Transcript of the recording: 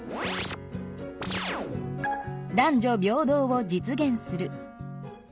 「男女平等を実現する」